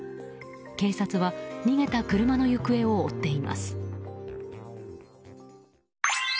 警察は逃げた車の行方を追っています。